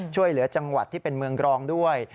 ช่วยเหลือจังหวัดที่เป็นเมืองกรองด้วย